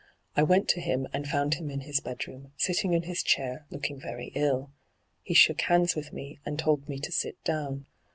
' I went to him, and found him in his bedroom, sitting in his chair, looking very ill. He shook hands with me, and told me to sit down.